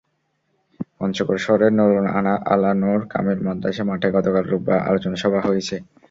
পঞ্চগড় শহরের নুরুন আলা নূর কামিল মাদ্রাসা মাঠে গতকাল রোববার আলোচনা সভা হয়েছে।